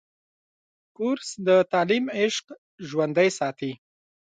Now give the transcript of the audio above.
کورس د تعلیم عشق ژوندی ساتي.